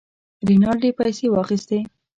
رینالډي پیسې واخیستې.